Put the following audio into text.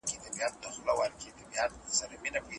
غلې د روغتیايي انرژۍ لپاره مهم دي.